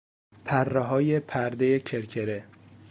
پرههای پردهی کرکره